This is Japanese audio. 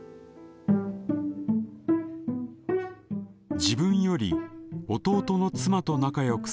自分より弟の妻と仲良くする母。